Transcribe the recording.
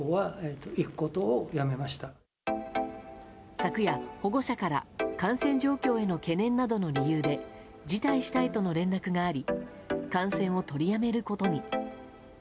昨夜、保護者から感染状況への懸念などの理由で辞退したいとの連絡があり観戦を取りやめることに。